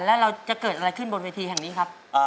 แล้วเราจะเกิดอะไรขึ้นบนเวทีแห่งนี้ครับ